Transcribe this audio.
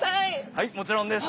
はいもちろんです。